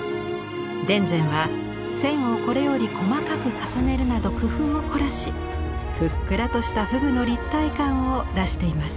田善は線をこれより細かく重ねるなど工夫を凝らしふっくらとした河豚の立体感を出しています。